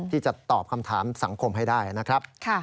ที่จะตอบคำถามสังคมให้ได้นะครับ